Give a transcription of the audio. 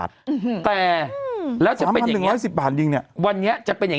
ได้ยินไหม